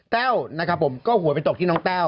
แต้วนะครับผมก็หัวไปตกที่น้องแต้ว